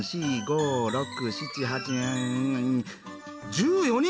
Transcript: １４人も！